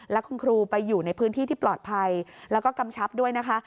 และคุณครูไปอยู่ในพื้นที่ที่ปลอดภัยแล้วก็กำชับด้วยนะคะ